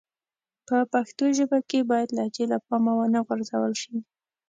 په پښتو ژبه کښي بايد لهجې له پامه و نه غورځول سي.